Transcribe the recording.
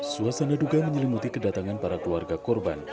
suasana duga menyelimuti kedatangan para keluarga korban